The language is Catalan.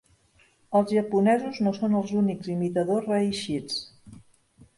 Els japonesos no són els únics imitadors reeixits.